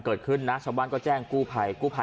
ก็แค่มีเรื่องเดียวให้มันพอแค่นี้เถอะ